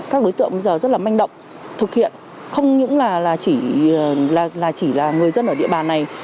các đối tượng bây giờ rất là manh động thực hiện không những là chỉ là người dân ở địa bàn này